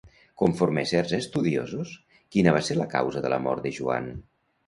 Conforme a certs estudiosos, quina va ser la causa de la mort de Joan?